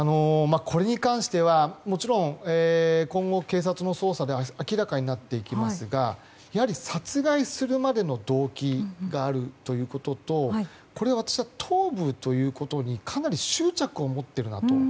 これに関しては今後、警察の捜査で明らかになっていきますがやはり殺害するまでの動機があるということと頭部ということにかなり執着を持っているなと。